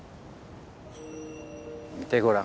見てごらん。